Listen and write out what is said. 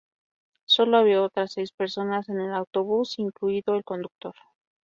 Sólo había otras seis personas en el autobús, incluido el conductor.